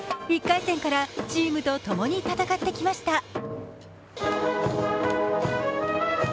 １回戦からチームと共に戦ってきました。